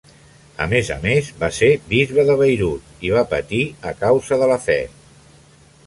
A més a més, va ser bisbe de Beirut i va patir a causa de la fe.